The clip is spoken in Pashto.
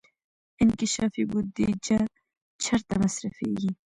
انکشافي بودجه چیرته مصرفیږي؟